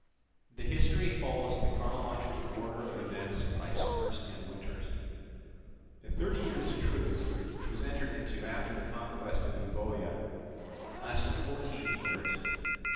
The history follows the chronological order of events by summers and winters. The thirty years' truce which was entered into after the conquest of Euboea lasted fourteen years.